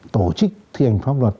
tổ chức thi hành pháp luật